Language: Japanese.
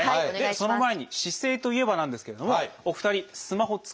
その前に姿勢といえばなんですけれどもお二人スマホ使いますよね？